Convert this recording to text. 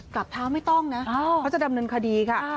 กลับเท้าไม่ต้องนะเขาจะดำเนินคดีค่ะ